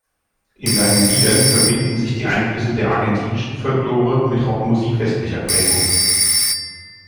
In seinen Liedern verbinden sich die Einflüsse der argentinischen Folklore mit Rockmusik westlicher Prägung.